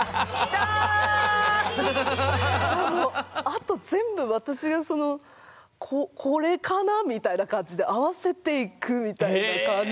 あと全部私がその「これかな？」みたいな感じで合わせていくみたいな感じだったから。